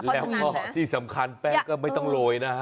แล้วก็ที่สำคัญแป้งก็ไม่ต้องโรยนะฮะ